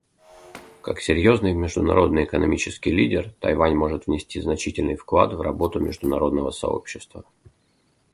Как серьезный международный экономический лидер Тайвань может внести значительный вклад в работу международного сообщества.